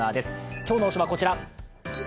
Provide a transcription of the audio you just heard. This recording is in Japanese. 今日の推しは、こちら。